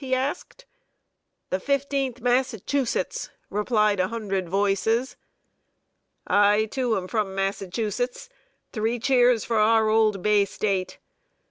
he asked. "The Fifteenth Massachusetts," replied a hundred voices. "I, too, am from Massachusetts; three cheers for our old Bay State!"